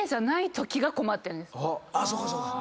そうかそうか。